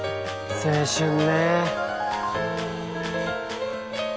青春ねぇ。